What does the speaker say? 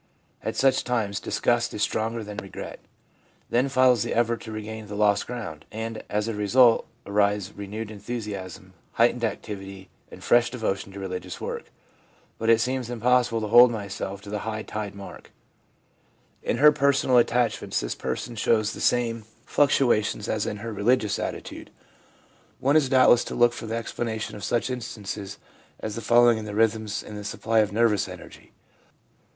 At such times disgust is stronger than regret. Then follows the effort to regain the lost ground, and as a result arise renewed enthusiasm, heightened activity, and fresh devotion to religious work. But it seems impossible to hold myself to the high tide mark.' In her personal attachments this person shows the same 1 E. B.Titchener, A Primer of Psychology, p. 91, New York, 1898. LINE OF GROWTH FOLLOWING CONVERSION 359 fluctuations as in her religious attitude. One is doubt less to look for the explanation of such instances as the following in the rhythms in the supply of nervous energy.